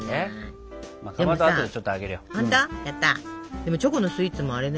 でもチョコのスイーツもあれね